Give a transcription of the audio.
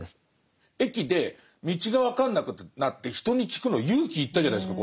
駅で道が分かんなくなって人に聞くの勇気いったじゃないですか